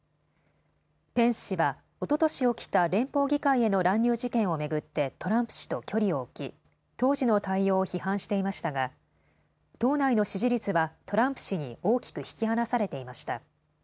ペンス氏はおととし起きた連邦議会への乱入事件を巡ってトランプ氏と距離を置き、当時の対応を批判していましたが党内の支持率はトランプ氏に大きく引き離されていました。